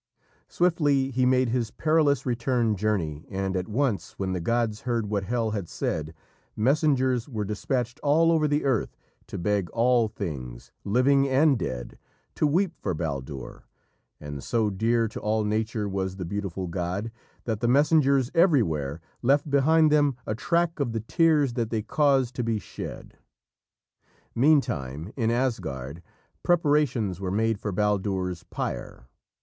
Swiftly he made his perilous return journey, and at once, when the gods heard what Hel had said, messengers were despatched all over the earth to beg all things, living and dead, to weep for Baldur, and so dear to all nature was the beautiful god, that the messengers everywhere left behind them a track of the tears that they caused to be shed. Meantime, in Asgard, preparations were made for Baldur's pyre.